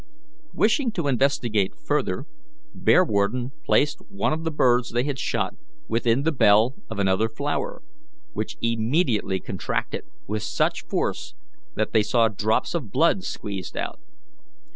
Wishing to investigate further, Bearwarden placed one of the birds they had shot within the bell of another flower, which immediately contracted with such force that they saw drops of blood squeezed out.